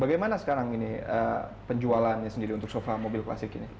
bagaimana sekarang ini penjualannya sendiri untuk sofa mobil klasik ini